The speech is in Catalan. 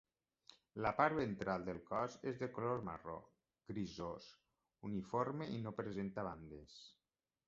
La part ventral del cos és de color marró grisós uniforme i no presenta bandes.